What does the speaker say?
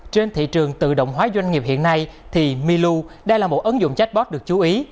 trên thị trường tự động hóa doanh nghiệp hiện nay milu là một ứng dụng chatbot được chú ý